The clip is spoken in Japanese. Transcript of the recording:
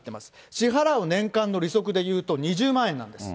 支払う年間の利息でいうと、２０万円なんです。